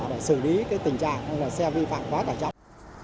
để xử lý cái tình trạng xe vi phạm quá tải trọng